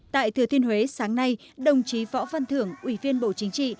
thưa thiên huế sáng nay đồng chí võ văn thưởng ủy viên bộ chính trị